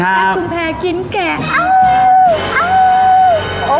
แกะคุณแพ้กินแกะอ้าวอ้าว